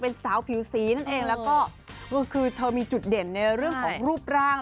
เป็นสาวผิวสีนั่นเองแล้วก็คือเธอมีจุดเด่นในเรื่องของรูปร่าง